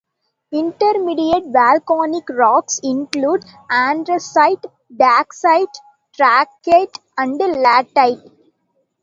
Intermediate volcanic rocks include andesite, dacite, trachyte, and latite.